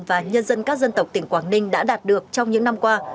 và nhân dân các dân tộc tỉnh quảng ninh đã đạt được trong những năm qua